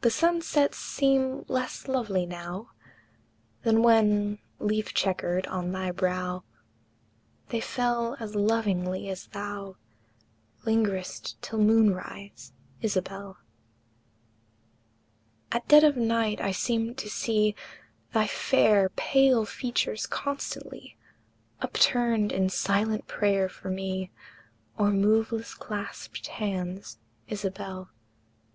The sunsets seem less lovely now Than when, leaf checkered, on thy brow They fell as lovingly as thou Lingered'st till moon rise, Isabel! At dead of night I seem to see Thy fair, pale features constantly Upturned in silent prayer for me, O'er moveless clasped hands, Isabel!